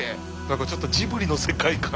何かちょっとジブリの世界観。